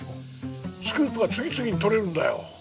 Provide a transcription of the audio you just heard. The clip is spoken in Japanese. スクープが次々に撮れるんだよ。